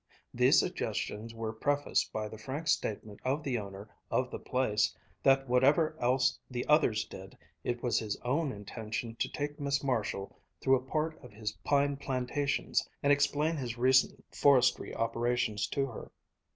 These suggestions were prefaced by the frank statement of the owner of the place that whatever else the others did, it was his own intention to take Miss Marshall through a part of his pine plantations and explain his recent forestry operations to her.